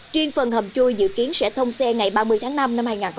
truyền phần hầm chuỗi dự kiến sẽ thông xe ngày ba mươi tháng năm năm hai nghìn hai mươi